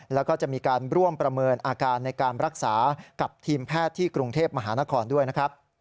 แล้วก็จะมีการร่วมประเมินอาการในการรักษากับทีมแพทย์ที่กรุงเทพมหานครด้วยนะครับ